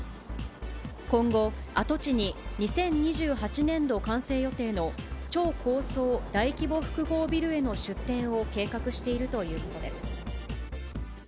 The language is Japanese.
今後、跡地に２０２８年度完成予定の超高層大規模複合ビルへの出店を計画しているということです。